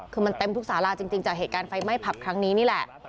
คือมันเต็มทุกสาราจริงจากเหตุการณ์ไฟไหม้ผับครั้งนี้นี่แหละ